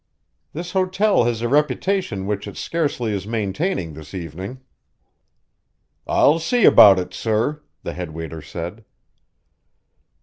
This hotel has a reputation which it scarcely is maintaining this evening." "I'll see about it, sir," the head waiter said.